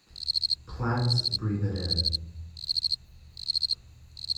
Plants breathe it in...